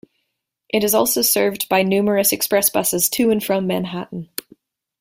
It is also served by numerous express buses to and from Manhattan.